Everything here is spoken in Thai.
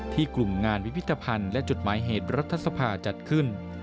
กลุ่มงานวิพิธภัณฑ์และจดหมายเหตุรัฐสภาจัดขึ้น